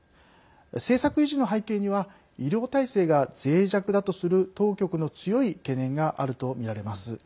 政策維持の背景には医療体制がぜい弱だとする当局の強い懸念があるとみられます。